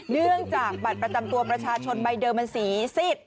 เนื่องจากบัตรประจำตัวประชาชนใบเดิมมันสีซิด